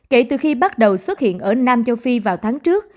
kể từ khi bắt đầu xuất hiện ở nam châu phi vào tháng trước